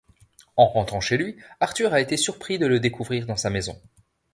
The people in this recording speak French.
En rentrant chez lui, Arthur a été surpris de le découvrir dans sa maison.